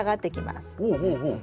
ほうほうほう。